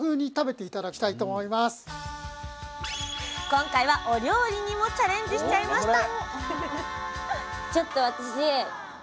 今回はお料理にもチャレンジしちゃいました！